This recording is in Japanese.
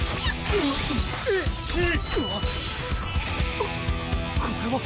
ここれは。